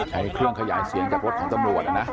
ใช้เครื่องขยายเสียงจากรถของตำรวจนะ